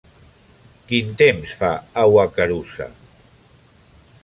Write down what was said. Quin temps fa a Wakarusa?